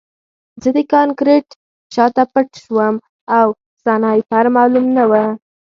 زه د کانکریټ شاته پټ شوم او سنایپر معلوم نه و